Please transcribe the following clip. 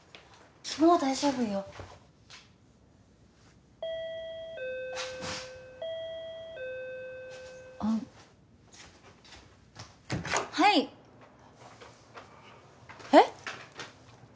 もう大丈夫よあっはいえっ？